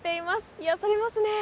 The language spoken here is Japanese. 癒やされますね。